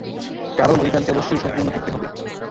কারন ওই গানটি অবশ্যই সম্পূর্ণ করতে হবে।